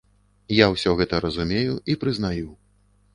Я ўсё гэта разумею і прызнаю.